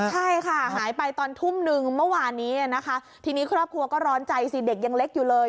ใช่ค่ะหายไปตอนทุ่มนึงเมื่อวานนี้นะคะทีนี้ครอบครัวก็ร้อนใจสิเด็กยังเล็กอยู่เลย